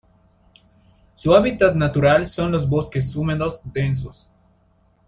Su hábitat natural son los bosques húmedos densos.